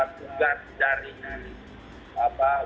kugas dari wedding pernikahan